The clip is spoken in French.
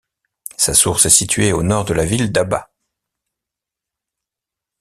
Sa source est située au nord de la ville d'Aba.